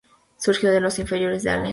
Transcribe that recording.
Surgió de las inferiores de Alem.